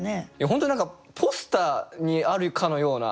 本当に何かポスターにあるかのような。